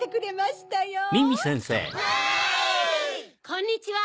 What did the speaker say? こんにちは！